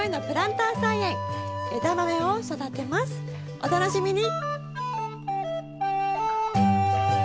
お楽しみに！